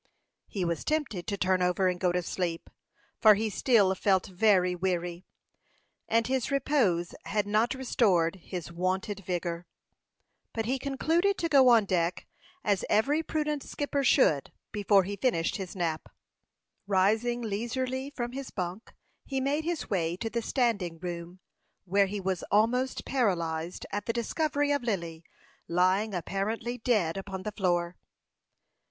He was tempted to turn over and go to sleep, for he still felt very weary, and his repose had not restored his wonted vigor. But he concluded to go on deck, as every prudent skipper should, before he finished his nap. Rising leisurely from his bunk, he made his way to the standing room where he was almost paralyzed at the discovery of Lily lying apparently dead upon the floor.